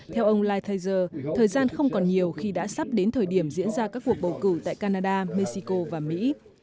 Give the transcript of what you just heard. theo ông likhaizer thời gian không còn nhiều khi đã sắp đến thời điểm diễn ra các cuộc bầu cử tại canada mexico và mỹ